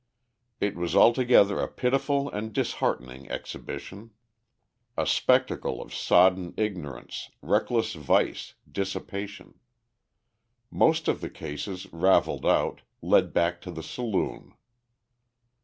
It was altogether a pitiful and disheartening exhibition, a spectacle of sodden ignorance, reckless vice, dissipation. Most of the cases, ravelled out, led back to the saloon.